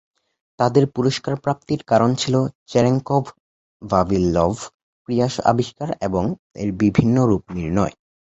তাদের পুরস্কার প্রাপ্তির কারণ ছিল চেরেংকভ-ভাভিলভ ক্রিয়া আবিষ্কার এবং এর বিভিন্ন রুপ নির্ণয়।